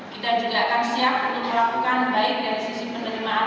kita juga akan siap untuk melakukan baik dari sisi penerimaan